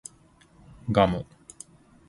ガム